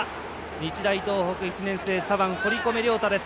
日大東北左腕、堀米涼太です。